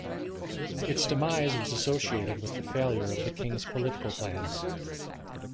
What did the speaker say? Its demise was associated with the failure of the king's political plans.